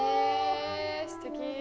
すてき。